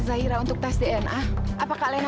zairah untuk tes dna apakah kak lena